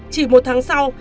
chỉ một tháng sau